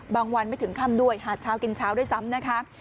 วันไม่ถึงค่ำด้วยหาเช้ากินเช้าด้วยซ้ำนะคะ